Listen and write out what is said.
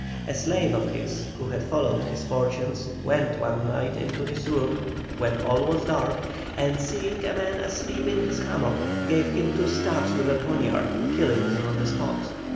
A slave of his who had followed his fortunes went one night into his room when all was dark, and seeing a man asleep in his hammock, gave him two stabs with a poniard, killing him on the spot.